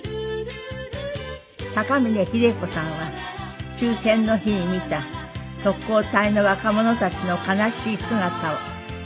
高峰秀子さんは終戦の日に見た特攻隊の若者たちの悲しい姿を。